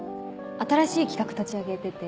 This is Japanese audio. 新しい企画立ち上げてて。